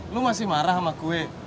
lu masih marah sama gue